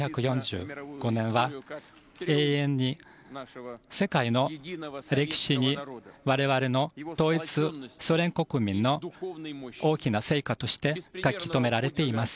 １９４５年は永遠に世界の歴史に我々の統一ソ連国民の大きな成果として書き留められています。